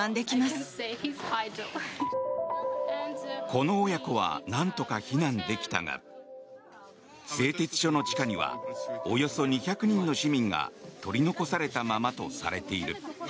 この親子はなんとか避難できたが製鉄所の地下にはおよそ２００人の市民が取り残されたままとされる。